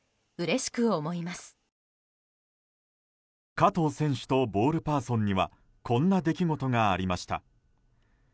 加藤選手とボールパーソンにはこんな出来事がありました。